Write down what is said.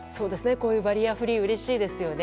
こういうバリアフリーうれしいですよね。